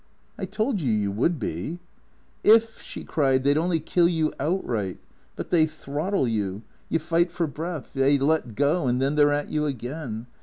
" I told you you would be." " If," she cried, " they 'd only kill you outright. But they throttle you. You fight for breath. They let go and then they 're at you again.